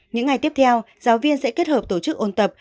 những ngày tiếp theo giáo viên sẽ kết hợp tổ chức ôn tập